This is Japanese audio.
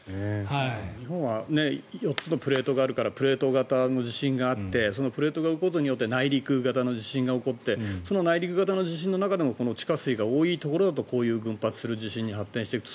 日本は４つのプレートがあるからプレート型の地震があってそのプレートが動くことによって内陸型の地震が起こってその内陸型の地震の中でもこの地下水が多いところだとこういう群発する地震に発展していくと。